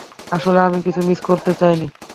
আসলে আমি কিছু মিস করতে চাইনি।